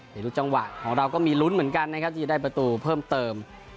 ในทุกจังหวะของเราก็มีลุ้นเหมือนกันนะครับที่จะได้ประตูเพิ่มเติม